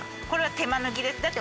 これは手間抜きです。